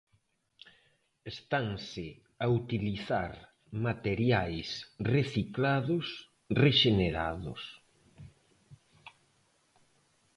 Estanse a utilizar materiais reciclados, rexenerados...